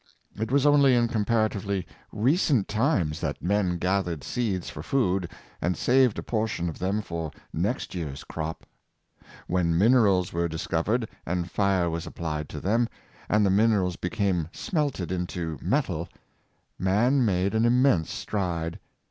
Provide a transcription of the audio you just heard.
It was only in comparatively recent times that men gathered seeds for food, and saved a portion of them for next year's crop. When minerals were discovered, and fire was applied to them, and the minerals became smelted into metal, man made an immense stride.